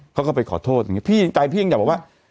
เขาก็ไปขอโทษอย่างนี้พี่ใจพี่ยังอยากบอกว่า